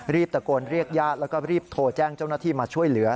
ตะโกนเรียกญาติแล้วก็รีบโทรแจ้งเจ้าหน้าที่มาช่วยเหลือ